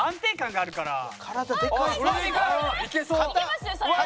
いけそうだ！